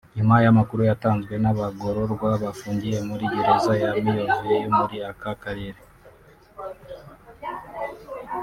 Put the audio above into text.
nyuma y’amakuru yatanzwe n’abagororwa bafungiye muri gereza ya Miyove yo muri aka Karere